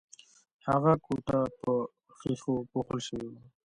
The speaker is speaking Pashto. هغه کوټه په ښیښو پوښل شوې وه